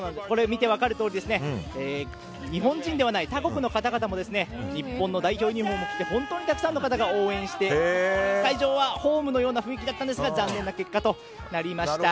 見て分かるとおり日本人ではない他国の方々も日本の代表ユニホームを着て本当にたくさんの方々が応援して会場はホームのような雰囲気だったんですが残念な結果となりました。